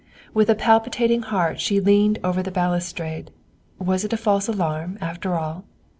With a palpitating heart she leaned over the balustrade; was it a false alarm, after all?